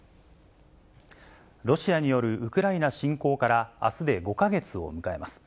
ロシアによるウクライナ侵攻から、あすで５か月を迎えます。